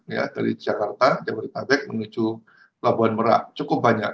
ya dari jakarta jabodetabek menuju pelabuhan merak cukup banyak